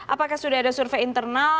apakah sudah ada survei internal